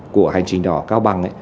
của hành trình đỏ cao bằng